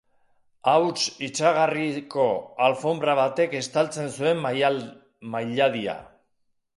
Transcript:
Hauts itsasgarriko alfonbra batek estaltzen zuen mailadia.